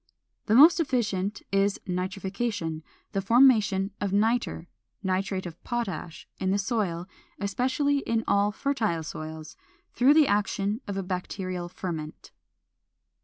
The most efficient is nitrification, the formation of nitre (nitrate of potash) in the soil, especially in all fertile soils, through the action of a bacterial ferment.